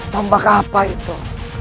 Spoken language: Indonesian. tombak apa itu